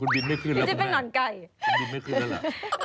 คุณบินไม่ขึ้นแล้วคุณแม่คุณบินไม่ขึ้นแล้วนี่จะเป็นนอนไก่